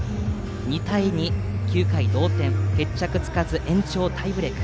２対２、９回同点決着つかず、延長タイブレーク。